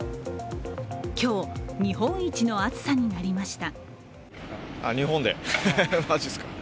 今日、日本一の暑さになりました。